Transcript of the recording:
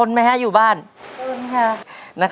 ใช่นักร้องบ้านนอก